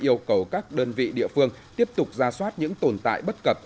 yêu cầu các đơn vị địa phương tiếp tục ra soát những tồn tại bất cập